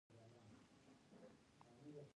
طلا د افغانستان د سیاسي جغرافیه برخه ده.